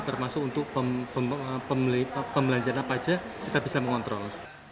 termasuk untuk pembelanjaan apa saja kita bisa mengontrol